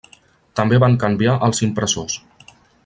També van canviar els impressors.